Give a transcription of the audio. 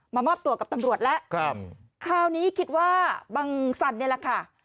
มอบตัวกับตำรวจแล้วครับคราวนี้คิดว่าบังสันนี่แหละค่ะ